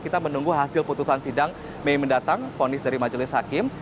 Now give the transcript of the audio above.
kita menunggu hasil putusan sidang mei mendatang ponis dari majelis hakim